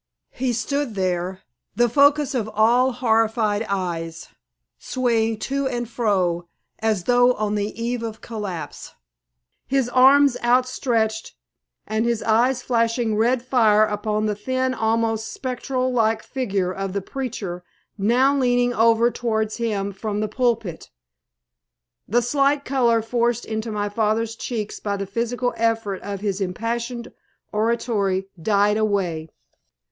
He stood there, the focus of all horrified eyes, swaying to and fro as though on the eve of collapse, his arms outstretched, and his eyes flashing red fire upon the thin almost spectral like figure of the preacher now leaning over towards him from the pulpit. The slight color forced into my father's cheeks by the physical effort of his impassioned oratory died away.